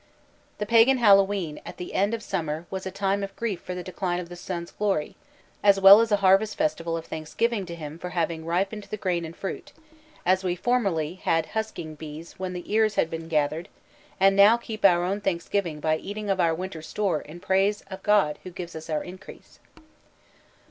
The pagan Hallowe'en at the end of summer was a time of grief for the decline of the sun's glory, as well as a harvest festival of thanksgiving to him for having ripened the grain and fruit, as we formerly had husking bees when the ears had been garnered, and now keep our own Thanksgiving by eating of our winter store in praise of God who gives us our increase.